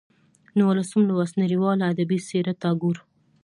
نولسم لوست: نړیواله ادبي څېره ټاګور